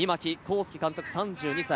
介監督、３２歳。